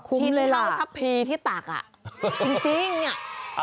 โคป่ะคุ้มเลยล่ะชิ้นขับทับผีที่ตากอ่ะจริงอ่ะ